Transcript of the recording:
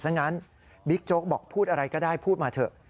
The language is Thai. ซะงั้นบิ๊กโจ๊กบอกพูดอะไรก็ได้พูดมาเถอะ